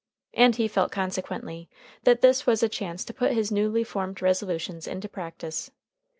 And he felt consequently that this was a chance to put his newly formed resolutions into practice.